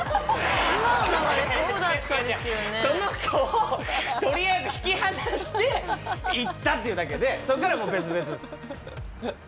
その子をとりあえず引き離して行ったっていうだけでそこからはもう別々ですよ。